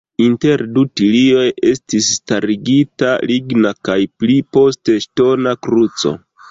Inter du tilioj estis starigita ligna kaj pli poste ŝtona kruco.